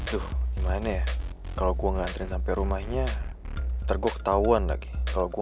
tuh gimana ya kalau gua ngantrin sampai rumahnya tergok tahun lagi kalau gua